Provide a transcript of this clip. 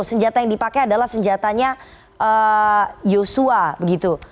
senjata yang dipakai adalah senjatanya yosua begitu